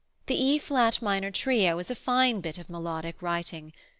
The E flat minor trio is a fine bit of melodic writing.